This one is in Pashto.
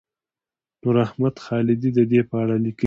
نوراحمد خالدي د دې په اړه لیکلي.